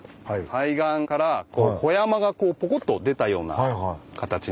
海岸から小山がポコッと出たような形になっています。